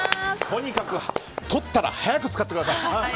とにかくとったら早く使ってください。